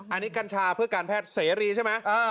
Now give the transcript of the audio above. อันนี้กัญชาเพื่อการแพทย์เสรีใช่ไหม